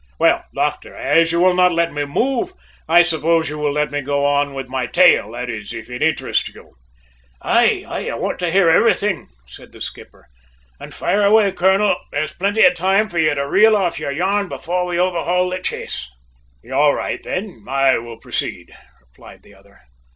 "Well, doctor, as you will not let me move, I suppose you will let me go on with my tale; that is, if it interests you!" "Aye, aye; I want to hear everything," said the skipper. "And fire away, colonel; there's plenty of time for you to reel off your yarn before we overhaul the chase." "All right, then, I will proceed," replied the other.